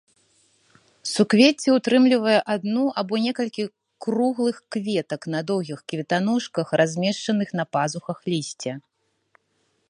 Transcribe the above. Суквецце ўтрымлівае адну або некалькі круглых кветак на доўгіх кветаножках, размешчаных на пазухах лісця.